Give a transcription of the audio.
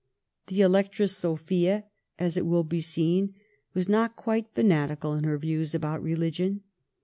The Electress Sophia, as it will be seen, was not quite fanatical in her' views about religion.